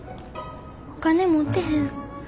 お金持ってへん。